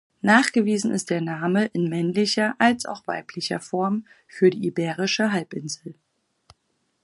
Nachgewiesen ist der Name in männlicher als auch weiblicher Form für die iberische Halbinsel.